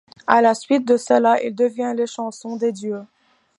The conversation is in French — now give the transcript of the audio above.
À la suite de cela, il devient l’échanson des dieux.